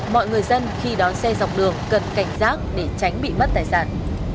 mọi người dân khi đón xe dọc đường cần cảnh giác để tránh bị mất tài sản